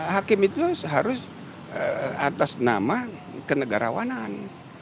hakim itu harus atas nama kenegarawanan